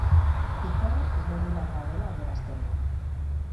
Pikorra irregularra dela adierazten du.